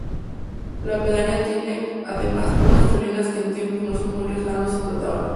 La pedanía tiene además unas salinas que en tiempos no muy lejanos se explotaban.